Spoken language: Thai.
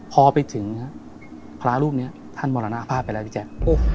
พอไปถึงพระรูปนี้ท่านมรณภาพไปแล้วพี่แจ๊ค